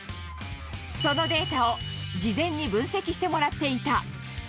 そのデータを事前に分析してもらっていた。